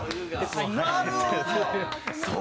なるほど！